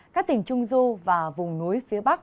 các tỉnh trung du và vùng núi phía bắc